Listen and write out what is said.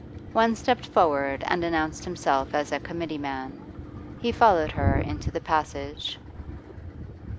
One stepped forward and announced himself as a committee man. He followed her into the passage.